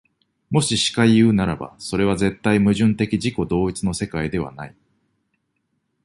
もししかいうならば、それは絶対矛盾的自己同一の世界ではない。